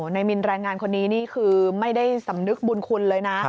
มินแรงงานคนนี้นี่คือไม่ได้สำนึกบุญคุณเลยนะ